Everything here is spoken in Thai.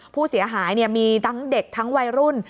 ผู้เสียหายมีทั้งเด็กทั้งวัยรุ่น